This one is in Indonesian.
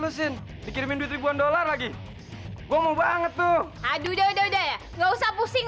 lu sin dikirimin dua ribu dollar lagi gua mau banget tuh aduh udah udah nggak usah pusing